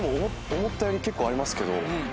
思ったより結構ありますけど。